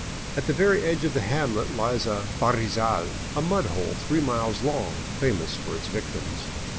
At the very edge of the hamlet lies a harrizal, a mud hole three miles long, famous for its victims.